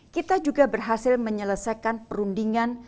kita juga berhasil menyelesaikan perundingan